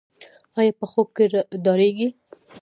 ایا په خوب کې ډاریږي؟